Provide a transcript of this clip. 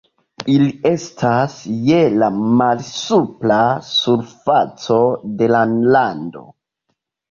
Ili estas je la malsupra surfaco de la rando.